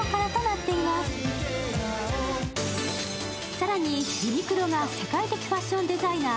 更に、ユニクロが世界的ファッションデザイナー、